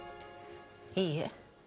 いいえ。